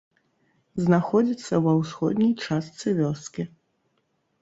Знаходзіцца ва ўсходняй частцы вёскі.